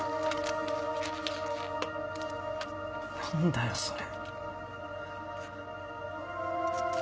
何だよそれ。